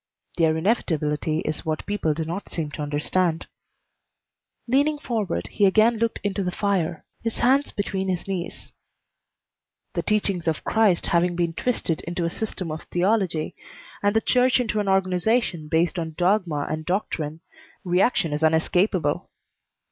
"Their inevitability is what people do not seem to understand." Leaning forward, he again looked into the fire, his hands between his knees. "The teachings of Christ having been twisted into a system of theology, and the Church into an organization based on dogma and doctrine, re action is unescapable.